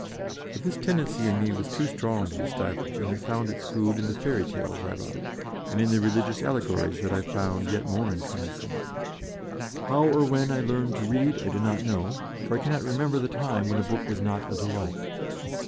But this tendency in me was too strong to be stifled, and it found its food in the fairy tales I loved, and in the religious allegories that I found yet more entrancing. How or when I learned to read, I do not know, for I cannot remember the time when a book was not a delight.